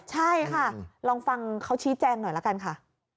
ใช่ค่ะลองฟังเขาชี้แจงหน่อยละกันค่ะ